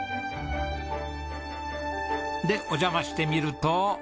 でお邪魔してみると。